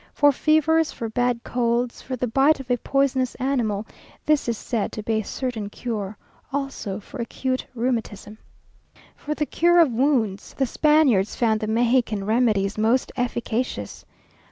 For fevers, for bad colds, for the bite of a poisonous animal, this is said to be a certain cure; also for acute rheumatism. For the cure of wounds, the Spaniards found the Mexican remedies most efficacious.